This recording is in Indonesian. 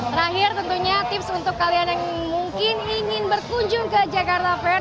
terakhir tentunya tips untuk kalian yang mungkin ingin berkunjung ke jakarta fair